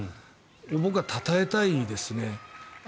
僕はたたえたいですね。